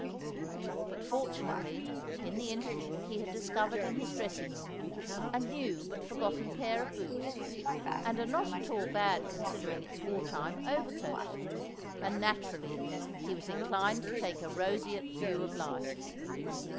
But, fortunately, in the interval he had discovered, in his dressing room, a new but forgotten pair of boots, and a not at all bad considering it's war time overcoat; and, naturally, he was inclined to take a roseate view of life.